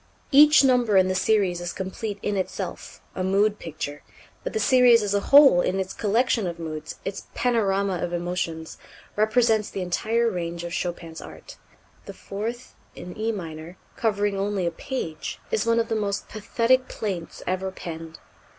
Each number in the series is complete in itself, a mood picture; but the series as a whole, in its collection of moods, its panorama of emotions, represents the entire range of Chopin's art. The fourth in E minor, covering only a page, is one of the most pathetic plaints ever penned.